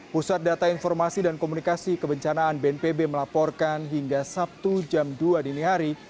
pusat data informasi dan komunikasi kebencanaan bnpb melaporkan hingga sabtu jam dua dini hari